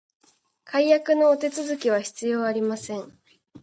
解約のお手続きは必要ありません